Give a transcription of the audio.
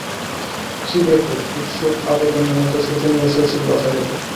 কী ব্যাকুল, উৎসুক আবেদনের মতো শোচনীয় শশীর কথাগুলি।